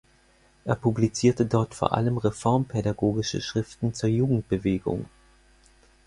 Er publizierte dort vor allem reformpädagogische Schriften zur Jugendbewegung.